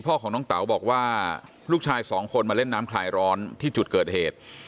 พ่อของน้องเต๋าบอกว่าลูกชายสองคนมาเล่นน้ำคลายร้อนที่จุดเกิดเหตุ